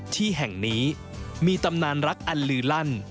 ที่แห่งนี้มีตำนานรักอันลือลั่น